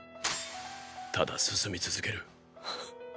ただ進み続ける。